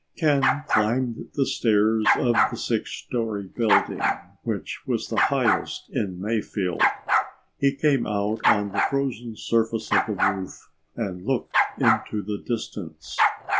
Ken climbed the stairs of the 6 story building, which was the highest in Mayfield. He came out on the frozen surface of the roof and looked into the distance.